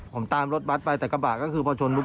ผมตามรถบัตรไปแต่กระบะก็คือพอชนลุก